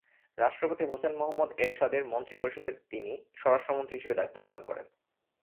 রাষ্ট্রপতি হোসেন মোহাম্মদ এরশাদের মন্ত্রিপরিষদের তিনি স্বরাষ্ট্রমন্ত্রী হিসাবে দায়িত্ব পালন করেন।